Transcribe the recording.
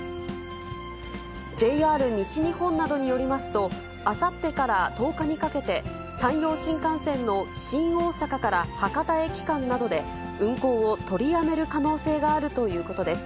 ＪＲ西日本などによりますと、あさってから１０日にかけて、山陽新幹線の新大阪から博多駅間などで、運行を取りやめる可能性があるということです。